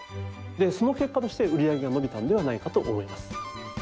でその結果として売り上げが伸びたのではないかと思います。